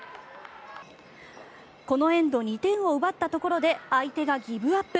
このエンド２点を奪ったところで相手がギブアップ。